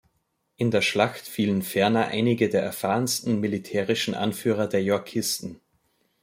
In der Schlacht fielen ferner einige der erfahrensten militärischen Anführer der Yorkisten.